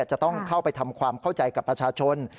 จะต้องเข้าไปทำความเข้าใจกับประชาชน